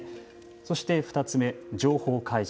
そして２つ目情報開示。